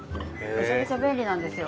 めちゃめちゃ便利なんですよ。